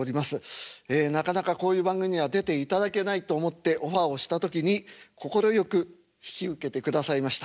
なかなかこういう番組には出ていただけないと思ってオファーをした時に快く引き受けてくださいました。